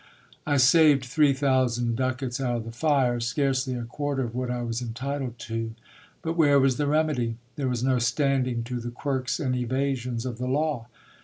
I saved three thousand ducats out of the fire ; scarcely a quarter of what I was entitled to. But where was the remedy? There was no standing to the quirks and evasions of the law.